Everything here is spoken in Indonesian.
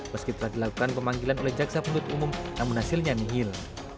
meski telah dilakukan pemanggilan oleh jaksa penuntut umum namun hasilnya nihil